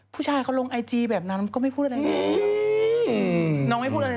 ผู้ชายเขาลงไอจีแบบนั้นก็ไม่พูดอะไรเรา